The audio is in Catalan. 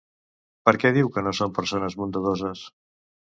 Per què diu que no són persones bondadoses?